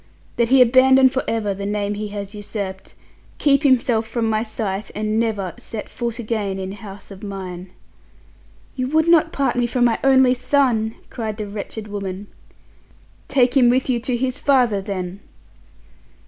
That he abandon for ever the name he has usurped, keep himself from my sight, and never set foot again in house of mine." "You would not part me from my only son!" cried the wretched woman. "Take him with you to his father then."